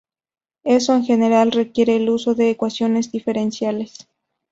Eso en general requiere el uso de ecuaciones diferenciales.